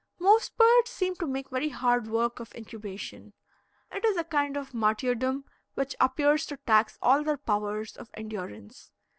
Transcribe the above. Most birds seem to make very hard work of incubation. It is a kind of martyrdom which appears to tax all their powers of endurance.